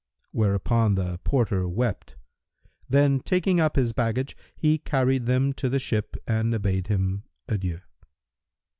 Whereupon the porter wept; then taking up his baggage, he carried them to the ship and abade him adieu.